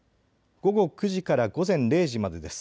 午後９時から午前０時までです。